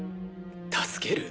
助ける？